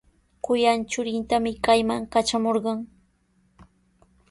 Kuyay churintami kayman katramurqan.